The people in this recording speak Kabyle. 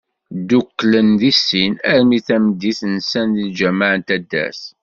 Ddukklen di sin, armi d tameddit, nsan di lğameε n taddart.